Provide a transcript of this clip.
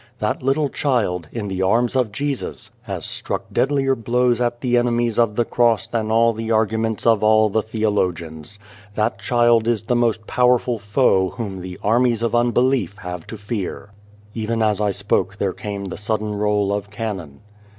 That little child, in the arms of Jesus, has struck deadlier blows at the enemies of the Cross than all the argu ments of all the theologians. That child is 179 The Child, the Wise Man the most powerful foe whom the armies of unbelief have to fear." Even as I spoke, there came the sudden roll of cannon.